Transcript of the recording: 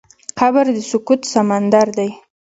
قبر د سکوت سمندر دی.